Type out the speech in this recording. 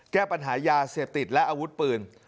แก้ปัญหายาเสพติดและอาวุธปืน